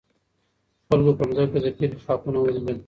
خلګو په ځمکه د فیل خاپونه ولیدل.